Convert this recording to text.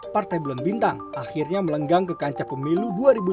partai bulan bintang akhirnya melenggang ke kancah pemilu dua ribu sembilan belas